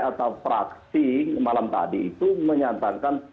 atau fraksi malam tadi itu menyatakan